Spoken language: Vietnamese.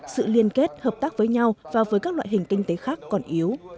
sự liên kết hợp tác với nhau và với các loại hình kinh tế khác còn yếu